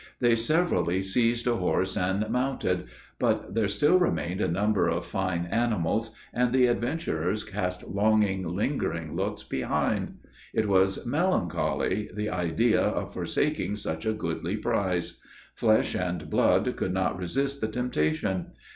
They severally seized a horse and mounted. But there still remained a number of fine animals; and the adventurers cast longing, lingering looks behind. It was melancholy the idea of forsaking such a goodly prize. Flesh and blood could not resist the temptation.